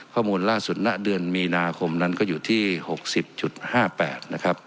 ข้อมูลล่าสุดหน้าเดือนมีนาคมนั้นก็อยู่ที่หกสิบจุดห้าแปดนะครับ